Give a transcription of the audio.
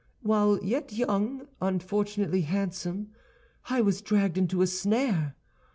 While yet young, unfortunately handsome, I was dragged into a snare.